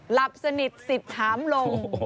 หลับสนิทศิษฐ์หารมลง